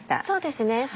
そうですね。